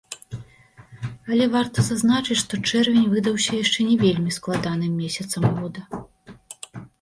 Але варта зазначыць, што чэрвень выдаўся яшчэ не вельмі складаным месяцам года.